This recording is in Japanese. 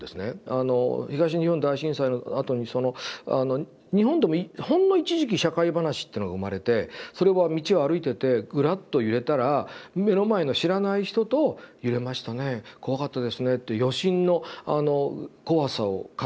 あの東日本大震災のあとにその日本でもほんの一時期「社会話」ってのが生まれてそれは道を歩いててグラッと揺れたら目の前の知らない人と「揺れましたね怖かったですね」って余震のあの怖さを語り合うっていうのが。